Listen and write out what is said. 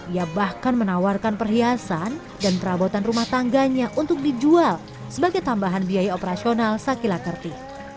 ia bahkan menawarkan perhiasan dan perabotan rumah tangganya untuk dijual sebagai tambahan biaya operasional sakila kerti